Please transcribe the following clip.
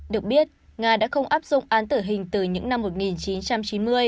được biết nga đã không áp dụng án tử hình từ những năm một nghìn chín trăm chín mươi